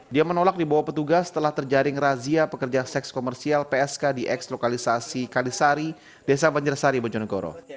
dia menolak dibawa petugas setelah terjaring razia pekerja seks komersial psk di eks lokalisasi kalisari desa banjarsari bojonegoro